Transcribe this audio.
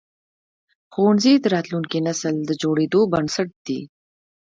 ښوونځي د راتلونکي نسل د جوړېدو بنسټ دي.